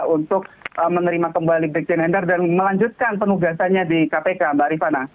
untuk menerima kembali brigjen endar dan melanjutkan penugasannya di kpk mbak rifana